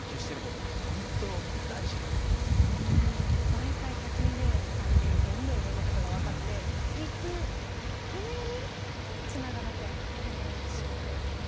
毎回１２０年の度にどんどんいろんなことが分かっていくためにつながなきゃいけないですよね。